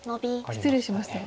失礼しました。